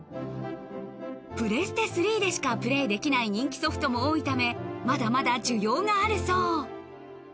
プレステ３でしかプレーできない人気ソフトも多いためまだまだ需要があるそう